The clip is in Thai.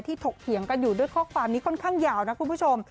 ถกเถียงกันอยู่ด้วยข้อความนี้ค่อนข้างยาวนะคุณผู้ชม